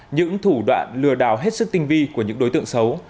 những thủ đoạn lừa đảo hết sức tinh vi của những đối tượng xấu